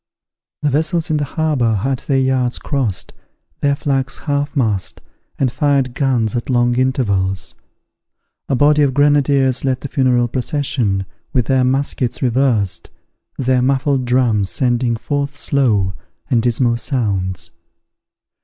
The vessels in the harbour had their yards crossed, their flags half mast, and fired guns at long intervals. A body of grenadiers led the funeral procession, with their muskets reversed, their muffled drums sending forth slow and dismal sounds.